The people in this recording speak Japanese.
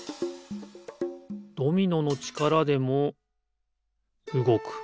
ドミノのちからでもうごく。